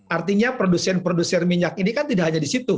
artinya produsen produsen minyak ini kan tidak hanya di situ